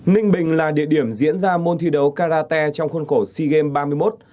ninh bình là địa điểm diễn ra môn thi đấu karate trong khuôn khổ sea games ba mươi một